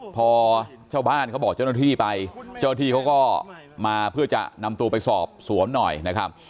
พอชาวบ้านเขาบอกเจ้าหน้าที่ไปเจ้าหน้าที่เขาก็มาเพื่อจะนำตัวไปสอบสวนหน่อยนะครับ